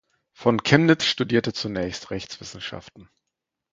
Von Kemnitz studierte zunächst Rechtswissenschaften.